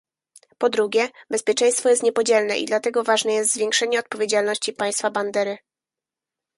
Po drugie, bezpieczeństwo jest niepodzielne i dlatego ważne jest zwiększenie odpowiedzialności państwa bandery